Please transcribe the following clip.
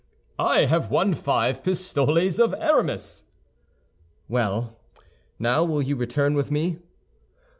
"I have won five pistoles of Aramis." "Well; now will you return with me?"